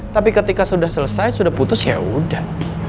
tapi ketika sudah selesai sudah putus yaudah